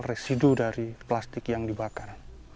residu dari plastik yang dibakar